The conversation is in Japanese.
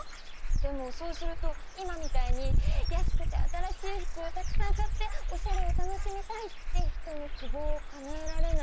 でもそうすると今みたいに安くて新しい服をたくさん買っておしゃれを楽しみたいって人のきぼうをかなえられない。